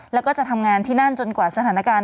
แล้วก็จะทำงานที่นั่นจนกว่าสถานการณ์